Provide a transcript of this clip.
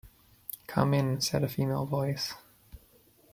‘Come in,’ said a female voice.